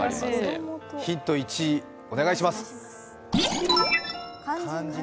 ヒント１をお願いします。